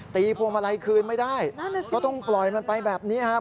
พวงมาลัยคืนไม่ได้ก็ต้องปล่อยมันไปแบบนี้ครับ